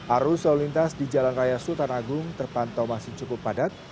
arus lalu lintas di jalan raya sultan agung terpantau masih cukup padat